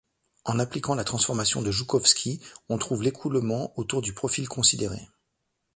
En appliquant la transformation de Joukovsky, on trouve l'écoulement autour du profil considéré.